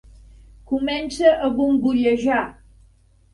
Comença a bombollejar.